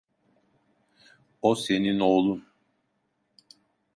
O senin oğlun.